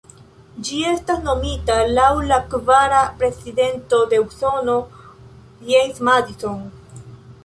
Ĝi estas nomita laŭ la kvara prezidento de Usono, James Madison.